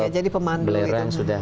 jadi pemandu belerang sudah